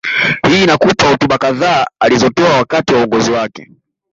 Hii inakupa hotuba kadhaa alizotoa wakati wa uongozi wake